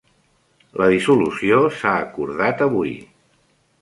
La dissolució s'ha acordat avui